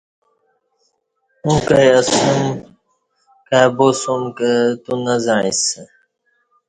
اوں کای اسیوم کای بوسم کہ تو نہ زعیݩسہ